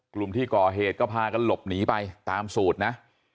กลุ่มที่ก่อเหตุก็พากันหลบหนีไปตามสูตรนะ